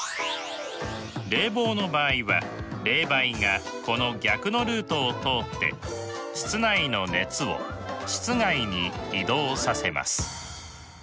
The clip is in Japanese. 冷房の場合は冷媒がこの逆のルートを通って室内の熱を室外に移動させます。